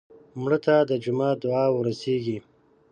مړه ته د جومات دعا ورسېږي